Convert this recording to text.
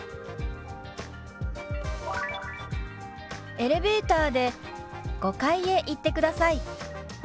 「エレベーターで５階へ行ってください」。